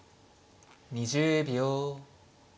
２０秒。